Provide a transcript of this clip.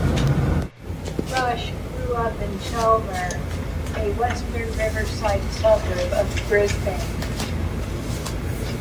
Rush grew up in Chelmer, a western riverside suburb of Brisbane.